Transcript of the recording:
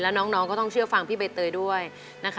แล้วน้องก็ต้องเชื่อฟังพี่ใบเตยด้วยนะคะ